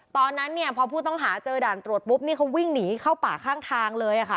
ตอนนั้นเนี่ยพอผู้ต้องหาเจอด่านตรวจปุ๊บนี่เขาวิ่งหนีเข้าป่าข้างทางเลยค่ะ